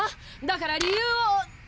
だから理由を。